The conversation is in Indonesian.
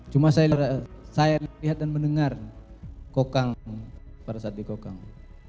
cuma saya melihat dan mendengar kokang pada saat dikokang